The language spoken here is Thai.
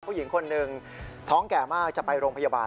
ผู้หญิงคนหนึ่งท้องแก่มากจะไปโรงพยาบาล